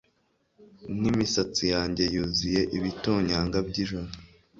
n'imisatsi yanjye yuzuye ibitonyanga by'ijoro